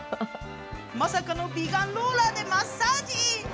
まさかの美顔ローラーでマッサージ。